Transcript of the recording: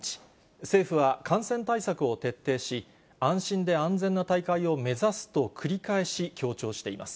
政府は感染対策を徹底し、安心で安全な大会を目指すと繰り返し強調しています。